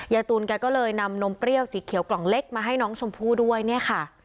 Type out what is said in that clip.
ยายตูนแกก็เลยนำนมเปรี้ยวสีเขียวกล่องเล็กมาให้น้องชมพู่ด้วยเนี่ยค่ะ